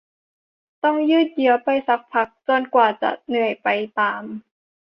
ต้องยืดเยื้อไปสักพักจนกว่าจะเหนื่อยไปตาม